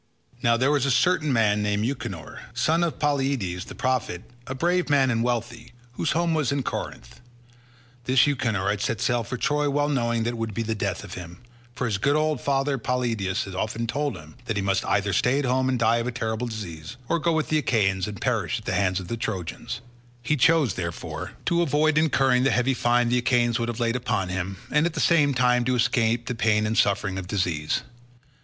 Now there was a certain man named Euchenor, son of Polyidus the prophet, a brave man and wealthy, whose home was in Corinth. This Euchenor had set sail for Troy well knowing that it would be the death of him, for his good old father Polyidus had often told him that he must either stay at home and die of a terrible disease, or go with the Achaeans and perish at the hands of the Trojans; he chose, therefore, to avoid incurring the heavy fine the Achaeans would have laid upon him, and at the same time to escape the pain and suffering of disease.